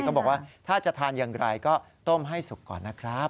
บอกว่าถ้าจะทานอย่างไรก็ต้มให้สุกก่อนนะครับ